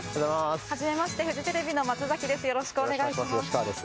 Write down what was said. はじめましてフジテレビの松崎です。